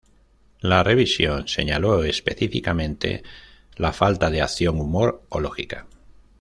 La revisión señaló específicamente la falta de "acción, humor o lógica".